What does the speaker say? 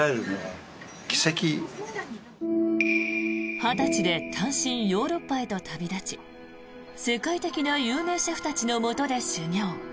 ２０歳で単身ヨーロッパへと旅立ち世界的な有名シェフたちのもとで修業。